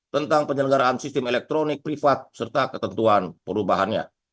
tentang penyelenggaraan sistem elektronik privat serta ketentuan perubahannya